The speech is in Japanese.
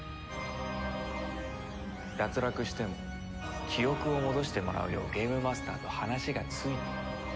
脱落しても記憶を戻してもらうようゲームマスターと話がついてる。